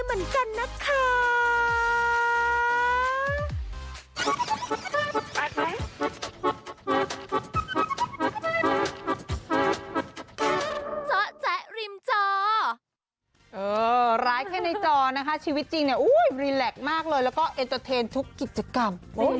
เอาดีเหมือนกันนะคะ